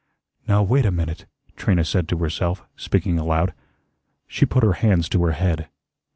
"Now, wait a minute," Trina said to herself, speaking aloud. She put her hands to her head.